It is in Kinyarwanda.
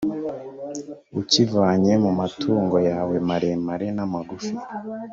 ukivanye mu matungo yawe maremare n’amagufi,